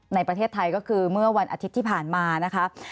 ในประเทศไทยก็คือเมื่อวันอาทิตย์ที่ผ่านมานะคะ